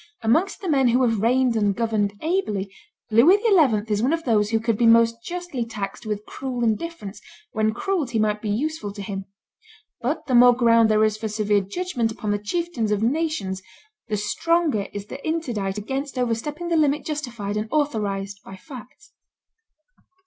Amongst the men who have reigned and governed ably, Louis XI. is one of those who could be most justly taxed with cruel indifference when cruelty might be useful to him; but the more ground there is for severe judgment upon the chieftains of nations, the stronger is the interdict against overstepping the limit justified and authorized by facts.